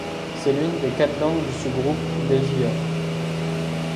C'est l'une des quatre langues du sous-groupe dhegiha.